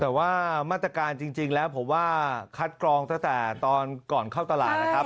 แต่ว่ามาตรการจริงแล้วผมว่าคัดกรองตั้งแต่ตอนก่อนเข้าตลาดนะครับ